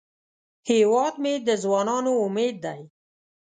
هیواد مې د ځوانانو امید دی